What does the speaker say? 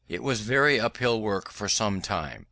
It was very uphill work for some time.